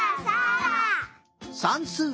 さんすう！